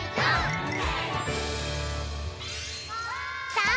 さあ